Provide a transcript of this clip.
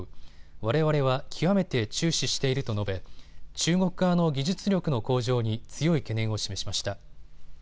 われわれは極めて注視していると述べ、中国側の技術力の向上に強い懸念を示しました。